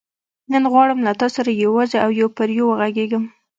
نن غواړم له تا سره یوازې او یو پر یو وغږېږم.